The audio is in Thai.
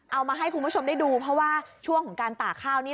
เอามาให้คุณผู้ชมได้ดูเพราะว่าช่วงของการตากข้าวนี่